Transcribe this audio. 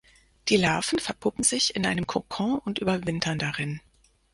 Die Larven verpuppen sich in einem Kokon und überwintern darin.